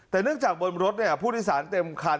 แต่เนื่องจากบนรถผู้โดยสารเต็มคัน